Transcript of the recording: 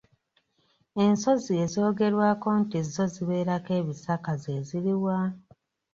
Ensozi ezoogerwako nti zo zibeerako ebisaka ze ziri wa?